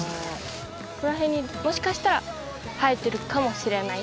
ここら辺にもしかしたら生えてるかもしれない。